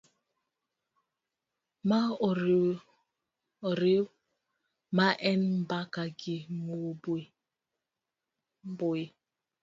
ma oriw ma en mbaka gi mbui